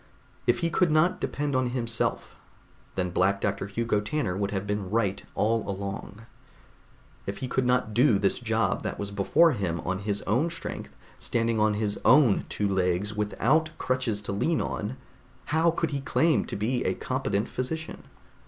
If he could not depend on himself, then Black Doctor Hugo Tanner would have been right all along. If he could not do this job that was before him on his own strength, standing on his own two legs without crutches to lean on, how could he claim to be a competent physician?